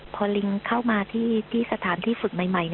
พอลิงเข้ามาที่สถานที่ฝึกใหม่